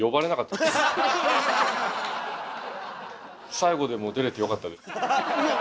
最後でも出れてよかったです。